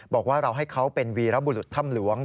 บอกว่าเราให้เขาเป็นวีรบุรุษถ้ำหลวง